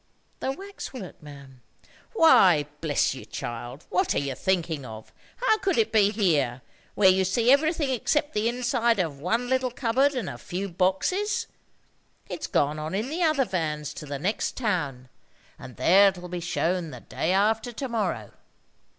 "The wax work, ma'am." "Why, bless you, child, what are you thinking of? How could it be here, where you see everything except the inside of one little cupboard and a few boxes? It's gone on in the other vans to the next town, and there it'll be shown the day after to morrow.